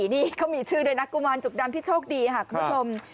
นี่เขามีชื่อด้วยนะกุมารจุกดำที่โชคดีค่ะคุณผู้ชม